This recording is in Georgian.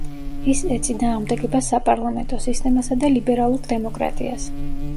ის ეწინააღმდეგება საპარლამენტო სისტემასა და ლიბერალურ დემოკრატიას.